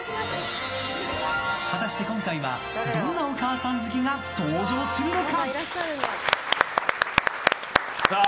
果たして今回はどんなお母さん好きが登場するのか？